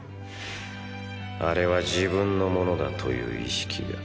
あれは自分のものだという意識が。